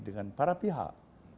dengan para pihak